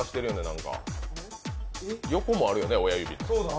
横もあるよね、親指の。